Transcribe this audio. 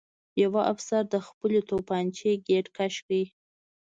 یوه افسر د خپلې توپانچې ګېټ کش کړ